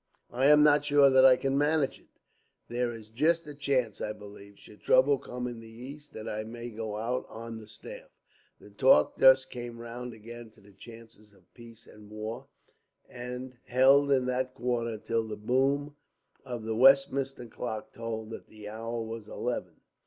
"I am not sure that I can manage it. There is just a chance, I believe, should trouble come in the East, that I may go out on the staff." The talk thus came round again to the chances of peace and war, and held in that quarter till the boom of the Westminster clock told that the hour was eleven.